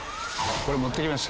これ持ってきました。